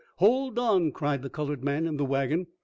Hold on!" cried the colored man in the wagon.